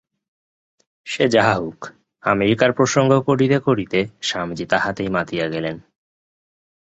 সে যাহা হউক, আমেরিকার প্রসঙ্গ করিতে করিতে স্বামীজী তাহাতেই মাতিয়া গেলেন।